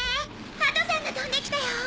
ハトさんが飛んできたよ。